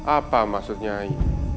apa maksud nyai